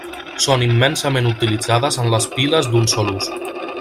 Són immensament utilitzades en les piles d'un sol ús.